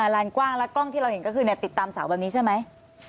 ลานกว้างแล้วกล้องที่เราเห็นก็คือติดตามเสาแบบนี้ใช่ไหม